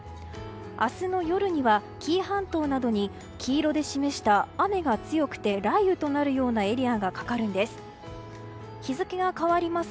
明日の夜には紀伊半島などに黄色で示した雨が強くて雷雨となるようなエリアがかかるんです。